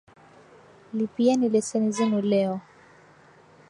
Lipieni leseni zenu leo.